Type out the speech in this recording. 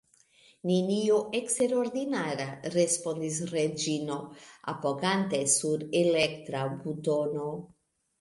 Nenio eksterordinara, respondis Reĝino, apogante sur elektra butono.